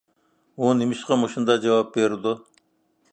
ئۇ نېمىشقا مۇشۇنداق جاۋاب بېرىدۇ؟